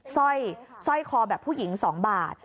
สร้อยคอแบบผู้หญิง๒บาท